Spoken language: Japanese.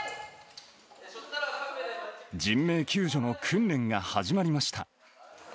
人命救助の訓練が始まりました。